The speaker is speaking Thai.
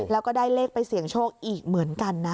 แล้วก็ได้เลขไปเสี่ยงโชคอีกเหมือนกันนะ